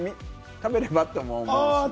食べればって思うし。